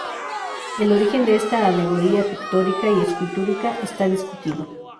El origen de esta alegoría pictórica y escultórica está discutido.